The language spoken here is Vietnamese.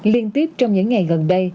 liên tiếp trong những ngày gần đây